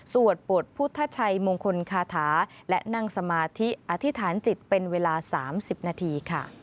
บทพุทธชัยมงคลคาถาและนั่งสมาธิอธิษฐานจิตเป็นเวลา๓๐นาทีค่ะ